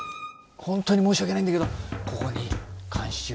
本当に申し訳ないんだけどここに監視用。